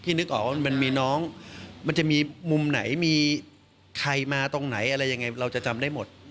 นึกออกว่ามันมีน้องมันจะมีมุมไหนมีใครมาตรงไหนอะไรยังไงเราจะจำได้หมด